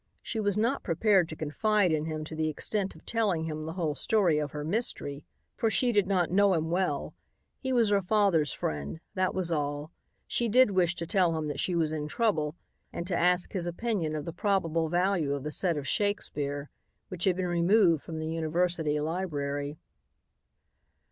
She was not prepared to confide in him to the extent of telling him the whole story of her mystery, for she did not know him well. He was her father's friend, that was all. She did wish to tell him that she was in trouble and to ask his opinion of the probable value of the set of Shakespeare which had been removed from the university library.